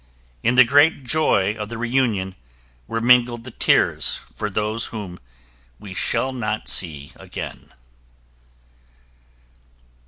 In the great joy of the reunion were mingled the tears for those whom we shall not see again.